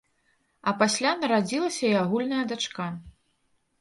А пасля нарадзілася і агульная дачка.